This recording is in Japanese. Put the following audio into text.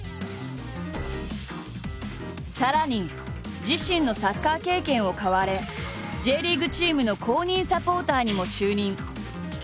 さらに自身のサッカー経験を買われＪリーグチームの公認サポーターにも就任。